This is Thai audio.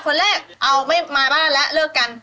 คนแรกเอาไม่มาบ้านแล้วเลิกกัน